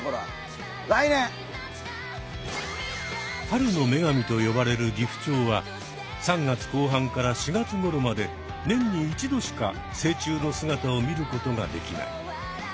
春の女神と呼ばれるギフチョウは３月後半から４月ごろまで年に一度しか成虫の姿を見ることができない。